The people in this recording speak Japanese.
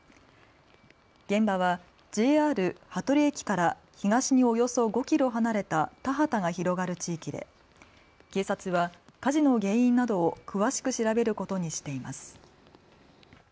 現場はＪＲ羽鳥駅から東におよそ５キロ離れた田畑が広がる地域で警察は火事の原因などを詳しく調べることにしています。